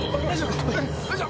よいしょ。